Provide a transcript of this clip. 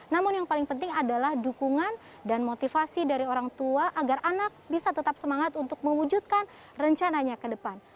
namun yang paling penting adalah dukungan dan motivasi dari orang tua agar anak bisa tetap semangat untuk mewujudkan rencananya ke depan